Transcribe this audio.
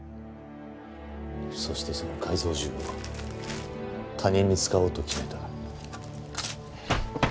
そしてその改造銃を他人に使おうと決めた。